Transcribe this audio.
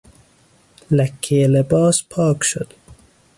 لکهٔ لباس پاک شد.